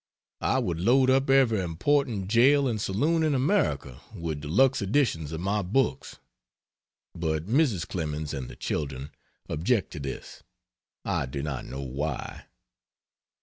I would load up every important jail and saloon in America with de luxe editions of my books. But Mrs. Clemens and the children object to this, I do not know why."